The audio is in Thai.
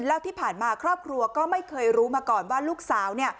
แล้วที่ผ่านมาครอบครัวก็ไม่เคยรู้มาก่อนว่าลูกสาวเนี่ย